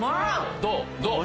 どう？